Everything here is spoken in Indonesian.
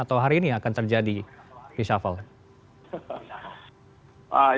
atau hari ini akan terjadi reshuffle